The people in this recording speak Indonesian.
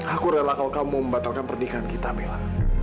aku rela kalau kamu membatalkan pernikahan kita mela